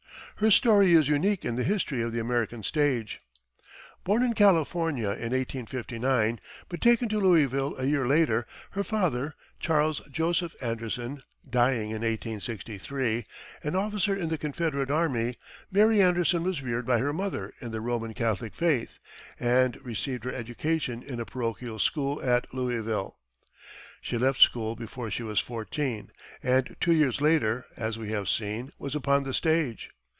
Her story is unique in the history of the American stage. Born in California in 1859, but taken to Louisville a year later; her father, Charles Joseph Anderson, dying in 1863, an officer in the Confederate army, Mary Anderson was reared by her mother in the Roman Catholic faith and received her education in a parochial school at Louisville. She left school before she was fourteen, and two years later, as we have seen, was upon the stage.